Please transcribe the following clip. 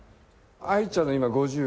愛ちゃん今５０。